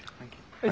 はい。